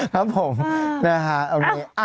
ครับผมนะฮะเอาอย่างนี้